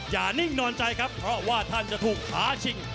นิ่งนอนใจครับเพราะว่าท่านจะถูกท้าชิง